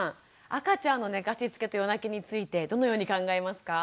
赤ちゃんの寝かしつけと夜泣きについてどのように考えますか？